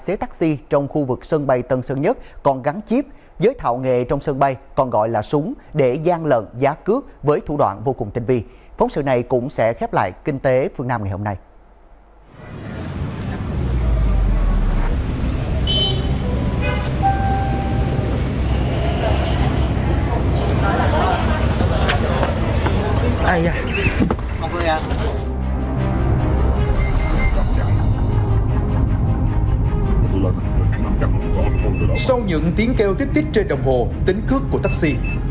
sau những tiếng kêu tích tích trên đồng hồ tính cước của taxi